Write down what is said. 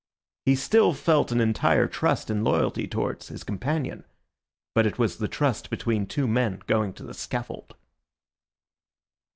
He still felt an entire trust and loyalty towards his companion; but it was the trust between two men going to the scaffold.